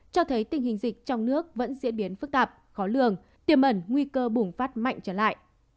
cho thấy tình hình dịch trong nước vẫn diễn biến phức tạp khó lường tiềm ẩn nguy cơ bùng phát mạnh trở lại